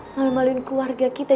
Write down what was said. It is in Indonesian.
ngalamin keluarga kita